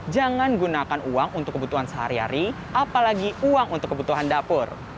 jangan gunakan uang untuk kebutuhan sehari hari apalagi uang untuk kebutuhan dapur